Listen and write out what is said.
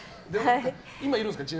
今、いるんですか？